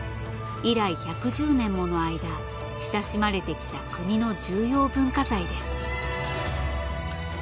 以来１１０年もの間親しまれてきた国の重要文化財です。